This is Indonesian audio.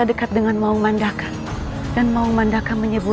aku tidak mungkin mencari tanpa petunjuk